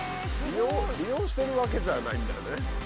利用してるわけじゃないんだよね。